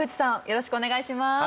よろしくお願いします。